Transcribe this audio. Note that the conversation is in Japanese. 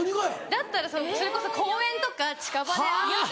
だったらそれこそ公園とか近場で会って。